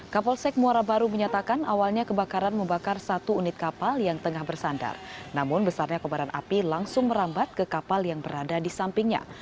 kapolsek muara baru menyatakan awalnya kebakaran membakar satu unit kapal yang tengah bersandar namun besarnya kebaran api langsung merambat ke kapal yang berada di sampingnya